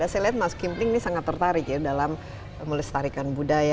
saya lihat mas kimping ini sangat tertarik ya dalam melestarikan budaya